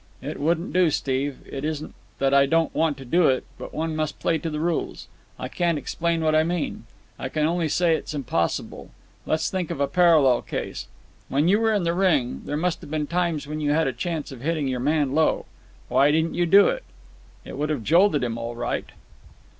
"It wouldn't do, Steve. It isn't that I don't want to do it; but one must play to the rules. I can't explain what I mean. I can only say it's impossible. Let's think of a parallel case. When you were in the ring, there must have been times when you had a chance of hitting your man low. Why didn't you do it? It would have jolted him, all right."